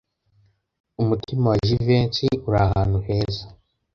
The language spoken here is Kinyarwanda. Umutima wa Jivency uri ahantu heza.